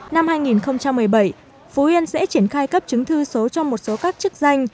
năm hai nghìn một mươi bảy phú yên sẽ triển khai cấp chứng thư số cho một số các chức danh